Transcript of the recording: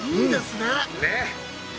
ねっ？